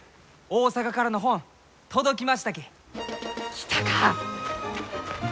来たか！